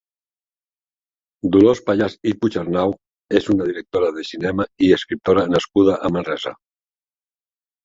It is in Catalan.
Dolors Payàs i Puigarnau és una directora de cinema i escriptora nascuda a Manresa.